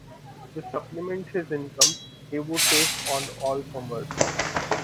To supplement his income, he would take on all comers.